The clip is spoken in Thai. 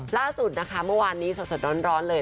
ล่าสุดนะคะเมื่อวานนี้สดร้อนเลย